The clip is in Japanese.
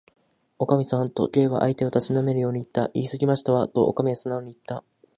「おかみさん」と、Ｋ は相手をたしなめるようにいった。「いいすぎましたわ」と、おかみはすなおにいった。